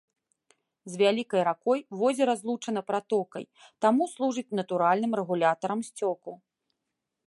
З вялікай ракой возера злучана пратокай, таму служыць натуральным рэгулятарам сцёку.